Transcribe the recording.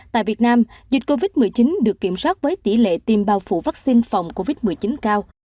tại việt nam dịch covid một mươi chín được kiểm soát với tỷ lệ tiêm bao phủ vaccine phòng covid một mươi chín cao